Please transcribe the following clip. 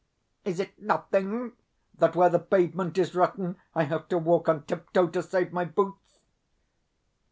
Is it nothing that, where the pavement is rotten, I have to walk on tiptoe to save my boots?